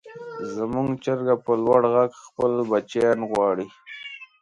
زموږ چرګه په لوړ غږ خپل بچیان غواړي.